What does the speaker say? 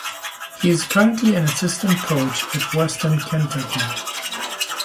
He is currently an assistant coach at Western Kentucky.